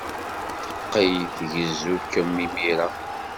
Teqqel tgezzu-kem imir-a.